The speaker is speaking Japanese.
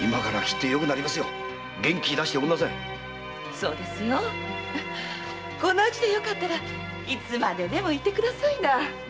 そうですよ。こんな家でよければいつまででも居てくださいな。